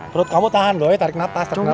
perut kamu tahan doi tarik nafas tarik nafas